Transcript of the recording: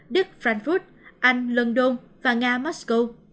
đức frankfurt anh london và nga moscow